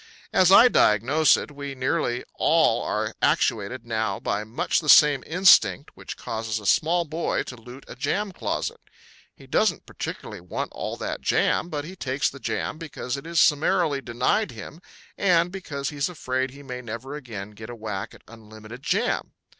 As I diagnose it, we nearly all are actuated now by much the same instinct which causes a small boy to loot a jam closet. He doesn't particularly want all that jam but he takes the jam because it is summarily denied him and because he's afraid he may never again get a whack at unlimited jam.